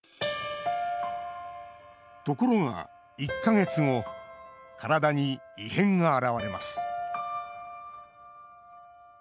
ところが、１か月後体に異変が現れます。